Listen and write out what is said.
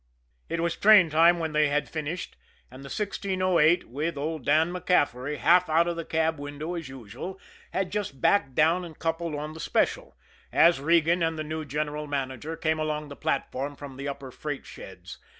It was train time when they had finished, and the 1608, with old Dan MacCaffery, half out of the cab window as usual, had just backed down and coupled on the special, as Regan and the new general manager came along the platform from the upper freight sheds.